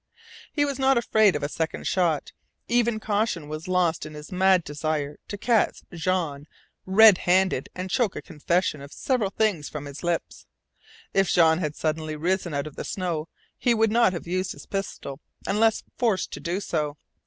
He was not afraid of a second shot. Even caution was lost in his mad desire to catch Jean red handed and choke a confession of several things from his lips. If Jean had suddenly risen out of the snow he would not have used his pistol unless forced to do so.